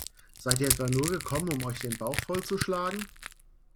Seid ihr etwa nur gekommen, um euch den Bauch voll zu schlagen?